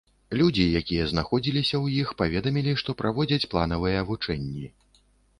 Людзі, якія знаходзіліся ў іх, паведамілі, што праводзяць планавыя вучэнні.